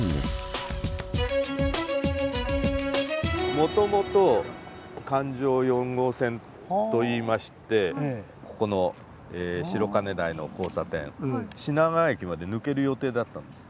もともと環状４号線といいましてここの白金台の交差点品川駅まで抜ける予定だったんです。